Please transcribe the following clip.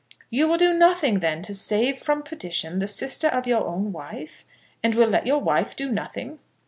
"You will do nothing, then, to save from perdition the sister of your own wife; and will let your wife do nothing?"